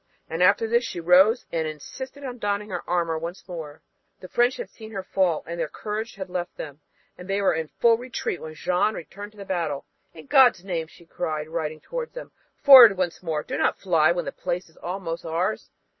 And after this she rose and insisted on donning her armor once more. The French had seen her fall and their courage had left them, and they were in full retreat when Jeanne returned to the battle. "In God's name," she cried, riding toward them, "forward once more. Do not fly when the place is almost ours.